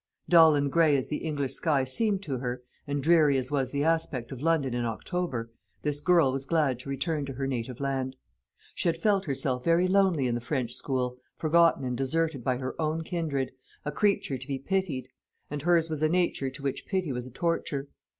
Dull and gray as the English sky seemed to her, and dreary as was the aspect of London in October, this girl was glad to return to her native land. She had felt herself very lonely in the French school, forgotten and deserted by her own kindred, a creature to be pitied; and hers was a nature to which pity was a torture.